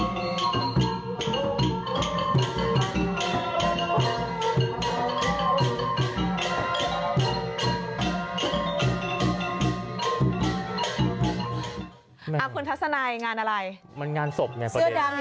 เสื้อด้านนี้ก็งานศพไหม